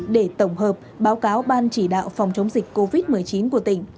để tổng hợp báo cáo ban chỉ đạo phòng chống dịch covid một mươi chín của tỉnh